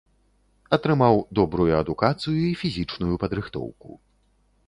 Атрымаў добрую адукацыю і фізічную падрыхтоўку.